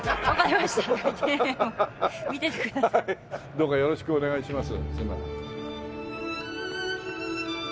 どうかよろしくお願いします。